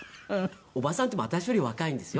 おばさんっていっても私より若いんですよ。